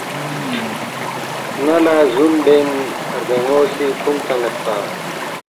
نالا زوم بین رگانو سی ٹھونگ تانید پا